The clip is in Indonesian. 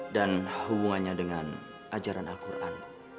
dan hubungannya dengan ajaran al quran